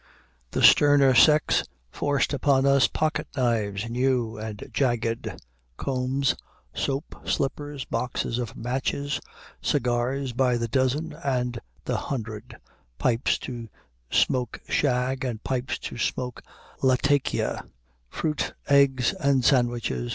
The sterner sex forced upon us pocket knives new and jagged, combs, soap, slippers, boxes of matches, cigars by the dozen and the hundred, pipes to smoke shag and pipes to smoke Latakia, fruit, eggs, and sandwiches.